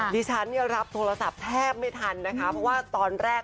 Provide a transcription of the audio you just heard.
ดิฉันเนี่ยรับโทรศัพท์แทบไม่ทันนะคะเพราะว่าตอนแรก